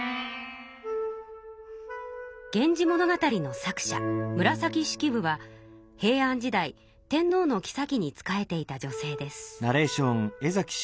「源氏物語」の作者平安時代天のうのきさきに仕えていた女性です。